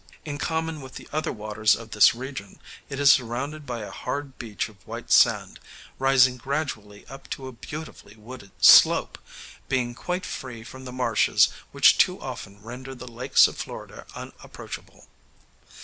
In common with the other waters of this region, it is surrounded by a hard beach of white sand, rising gradually up to a beautifully wooded slope, being quite free from the marshes which too often render the lakes of Florida unapproachable.